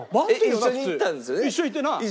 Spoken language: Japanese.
一緒に行って。